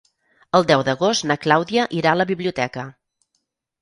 El deu d'agost na Clàudia irà a la biblioteca.